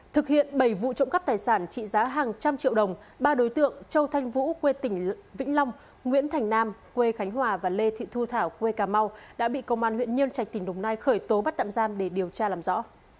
thực hiện bảy vụ trộm cắp tài sản trị giá hàng trăm triệu đồng ba đối tượng châu thanh vũ quê tỉnh vĩnh long nguyễn thành nam quê khánh hòa và lê thị thu thảo quê cà mau đã bị công an huyện nhân trạch tỉnh đồng nai khởi tố bắt tạm giam để điều tra làm rõ